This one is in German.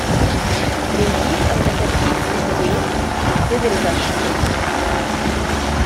Wem dies am effektivsten gelingt, gewinnt das Spiel.